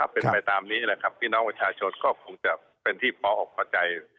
เป็นไปตามนี้แหละครับพี่น้องประชาชนก็คงจะเป็นที่พออกพอใจ